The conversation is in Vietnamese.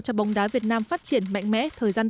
cho bóng đá việt nam phát triển mạnh mẽ thời gian